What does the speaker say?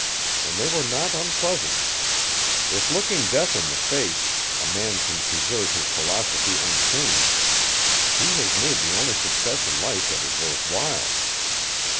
And they were not unpleasant; if, looking death in the face, a man can preserve his philosophy unchanged, he has made the only success in life that is worth while.